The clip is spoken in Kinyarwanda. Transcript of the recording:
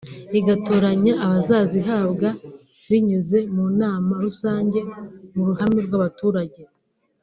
igatoranya abazazihabwa binyuze mu nama rusange mu ruhame rw’abaturage